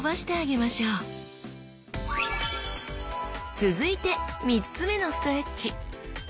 続いて３つ目のストレッチ。